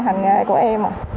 hành nghề của em